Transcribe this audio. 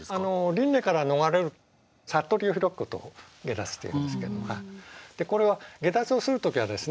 輪廻から逃れる悟りを開くことを解脱というんですけどこれは解脱をする時はですね